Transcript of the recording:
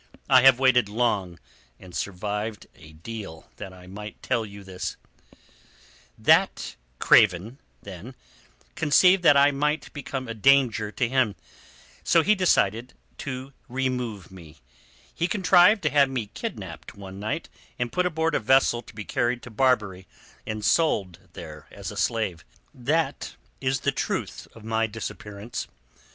I have waited long and survived a deal that I might tell you this "That craven, then, conceived that I might become a danger to him; so he decided to remove me. He contrived to have me kidnapped one night and put aboard a vessel to be carried to Barbary and sold there as a slave. That is the truth of my disappearance.